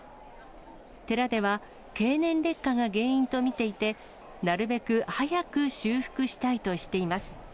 寺では、経年劣化が原因と見ていて、なるべく早く修復したいとしています。